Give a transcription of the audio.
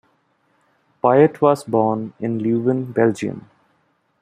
Piot was born in Leuven, Belgium.